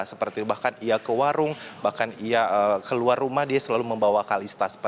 seperti bahkan ia ke warung bahkan ia keluar rumah dia selalu membawa kalista